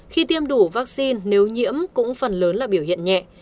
khi tiêm đủ vaccine nếu nhiễm cũng phần lớn là biểu hiện nhẹ